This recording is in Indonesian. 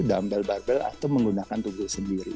dumbel barbel atau menggunakan tubuh sendiri